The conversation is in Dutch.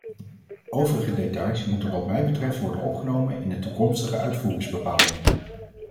Overige details moeten wat mij betreft worden opgenomen in de toekomstige uitvoeringsbepalingen.